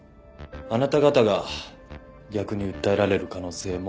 あなた方が逆に訴えられる可能性もあります。